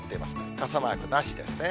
傘マークなしですね。